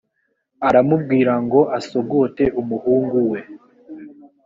aramubwira ngo asogote umuhungu we